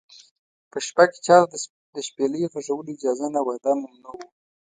په شپه کې چا ته د شپېلۍ غږولو اجازه نه وه، دا ممنوع و.